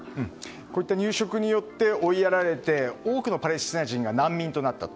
こういった入植によって追いやられて多くのパレスチナ人が難民となったと。